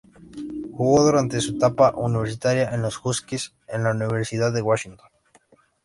Jugó durante su etapa universitaria con los "Huskies" de la Universidad de Washington.